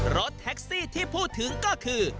รถแท็กซี่ที่พูดถึงก็คือ